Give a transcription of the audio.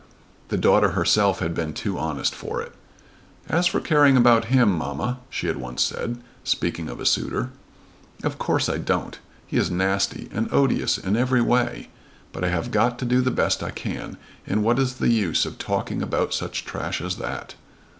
The daughter herself had been too honest for it. "As for caring about him, mamma," she had once said, speaking of a suitor, "of course I don't. He is nasty, and odious in every way. But I have got to do the best I can, and what is the use of talking about such trash as that?"